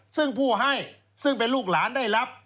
ซึ่งผู้ให้ซึ่งเป็นลูกหลานได้รับ